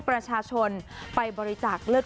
ประชาชนไปบริจาคเลือด